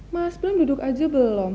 mas bram duduk aja belum